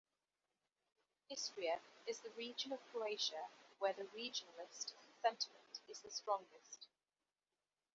Istria is the region of Croatia where regionalist sentiment is the strongest.